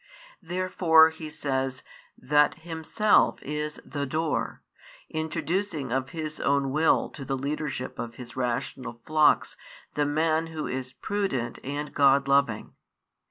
Therefore He says that Himself is the Door introducing of His own will to the leadership of His rational flocks the man who is prudent and God loving.